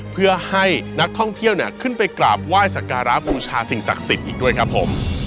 เพื่อให้นักท่องเที่ยวขึ้นไปกราบไหว้สักการะบูชาสิ่งศักดิ์สิทธิ์อีกด้วยครับผม